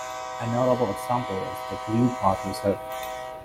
A notable example is the Gluepot Reserve.